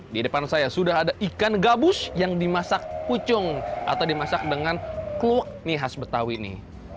di depan saya sudah ada ikan gabus yang dimasak pucung atau dimasak dengan kluk mie khas betawi ini